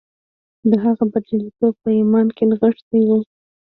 د هغه برياليتوب په ايمان کې نغښتی و.